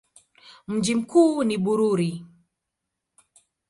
Mji mkuu ni Bururi.